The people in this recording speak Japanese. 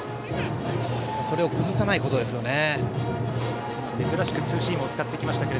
それを崩さないことですね。